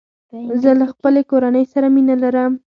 زه له خپلي کورنۍ سره مينه لرم